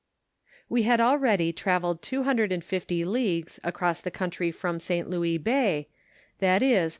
"We had already travelled two hundred and fifty leagues across the country from St. Louis bay, viz.